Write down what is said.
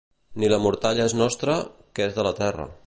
Ni la mortalla és nostra, que és de la terra.